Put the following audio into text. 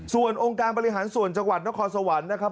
ส่วนองค์การบริหารส่วนจังหวัดนครสวรรค์นะครับ